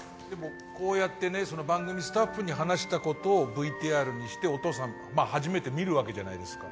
こうやって番組スタッフに話したことをＶＴＲにして、お父さんが初めて見るわけじゃないですか。